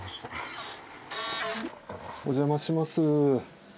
お邪魔します。